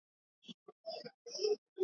Kwasababu tuko na Mungu